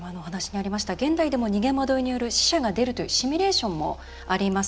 現代でも逃げ惑いによる死者が出るというシミュレーションもあります。